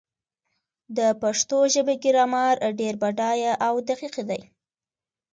د پښتو ژبې ګرامر ډېر بډایه او دقیق دی.